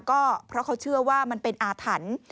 ก็เพราะเขาเชื่อว่ามันเป็นอาถรรพ์